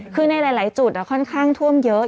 คือในหลายจุดค่อนข้างท่วมเยอะ